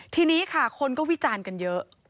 ทีนี้ค่ะคนก็วิจารณ์กันเยอะ